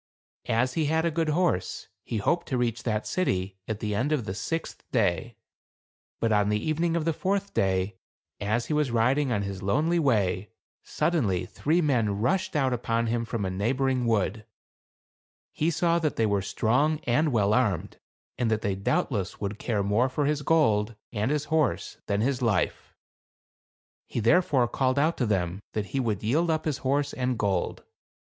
As he had a good horse, he hoped to reach that city at the end of the sixth day. But on the evening of the fourth day, as he was riding on his lonely way, suddenly, three men rushed out upon him from a neighboring wood. He saw that THE CAB AVAN. 163 they were strong and well armed, and that they doubtless would care more for his gold and his horse, than his life ; he therefore called out to them that he would yield up his horse and gold.